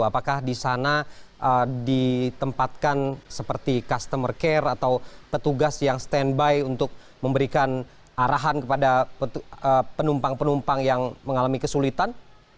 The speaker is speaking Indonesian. apakah di sana ditempatkan seperti customer care atau petugas yang standby untuk memberikan arahan kepada penumpang penumpang yang mengalami kesulitan